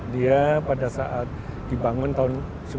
dia pada saat dibangun tahun seribu sembilan ratus sembilan puluh